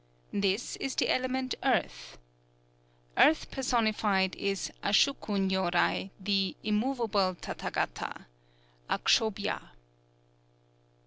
This is the element Earth. Earth personified is Ashuku Nyōrai, the "Immovable Tathâgata" (Akshobhya).